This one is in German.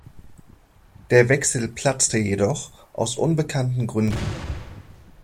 Der Wechsel platzte jedoch aus unbekannten Gründen.